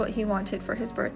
apa yang kamu lakukan